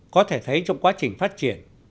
có thể thấy trong quá trình phát triển